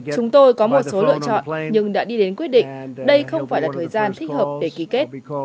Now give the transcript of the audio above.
chúng tôi có một số lựa chọn nhưng đã đi đến quyết định đây không phải là thời gian thích hợp để ký kết